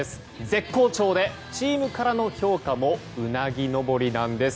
絶好調でチームからの評価もうなぎ登りなんです。